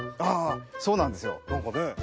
あそうなんですよ。